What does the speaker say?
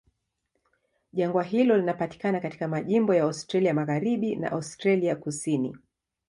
Jangwa hilo linapatikana katika majimbo ya Australia Magharibi na Australia Kusini.